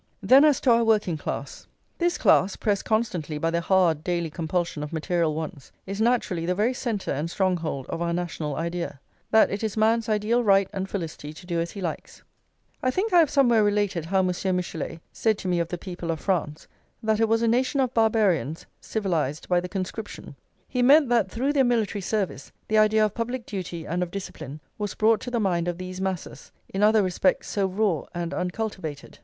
Then as to our working class. This class, pressed constantly by the hard daily compulsion of material wants, is naturally the very centre and stronghold of our national idea, that it is man's ideal right and felicity to do as he likes. I think I have somewhere related how Monsieur Michelet said to me of the people of France, that it was "a nation of barbarians civilised by the conscription." He meant that through their military service the idea of public duty and of discipline was brought to the mind of these masses, in other respects so raw and uncultivated.